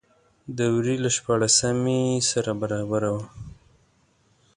د وري له شپاړلسمې سره برابره وه.